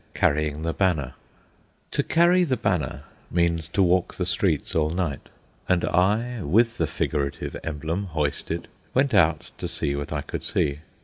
CARRYING THE BANNER "To carry the banner" means to walk the streets all night; and I, with the figurative emblem hoisted, went out to see what I could see.